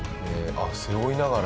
あっ背負いながら。